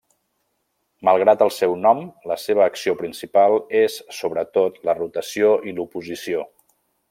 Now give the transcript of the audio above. Malgrat el seu nom, la seva acció principal és sobretot la rotació i l'oposició.